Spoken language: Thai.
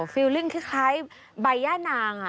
อ๋อฟิลลิ่งคล้ายใบย่านางอ่ะ